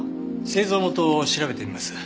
製造元を調べてみます。